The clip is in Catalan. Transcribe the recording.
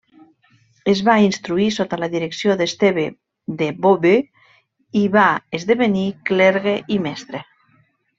Es va instruir sota la direcció d'Esteve de Beauvais i va esdevenir clergue i mestre.